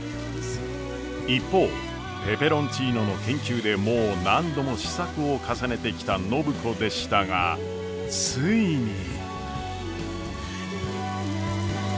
一方ペペロンチーノの研究でもう何度も試作を重ねてきた暢子でしたがついに。